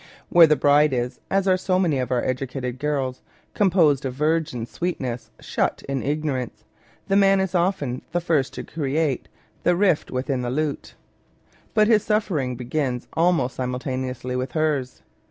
"Where the bride is, as are so many of our educated girls, composed of virgin sweetness shut in ignorance, the man is often the first to create " the rift within the lute "; but his suffering begins almost simultaneously with hers.